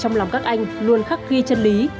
trong lòng các anh luôn khắc ghi chân lý